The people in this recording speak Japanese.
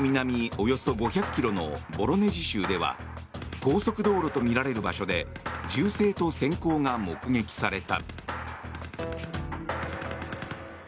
およそ５００ｋｍのボロネジ州では高速道路とみられる場所で銃声と閃光が目撃された。